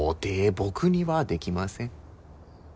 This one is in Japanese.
僕にはできません。